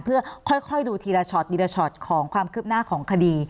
เพื่อค่อยดูทีละช็อตทีละช็อตของความคืบหน้าของคดี